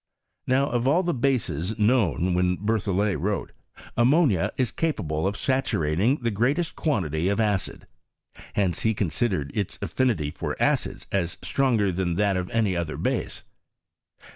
Now of all the bases known when BerthoUet wrote, ammonia is capable of sato lating the greatest quantity of acid. Hence he considered its affinity for acids as stronger than that of any other base.